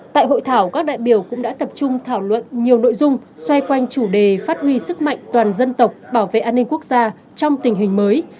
tại hội thảo các đại biểu cũng đã tập trung thảo luận nhiều nội dung xoay quanh chủ đề phát huy sức mạnh toàn dân tộc bảo vệ an ninh quốc gia trong tình hình mới